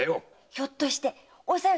ひょっとしておさよ